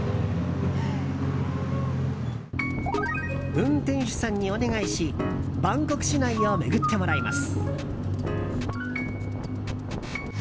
運転手さんにお願いしバンコク市内を巡ってもらいます。